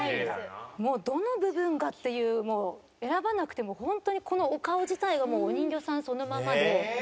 もうどの部分がっていう選ばなくても本当にこのお顔自体がもうお人形さんそのままで。